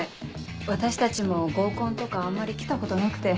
私たちも合コンとかあんまり来たことなくて。